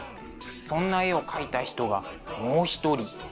そんな絵を描いた人がもう一人。